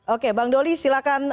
oke bang doli silahkan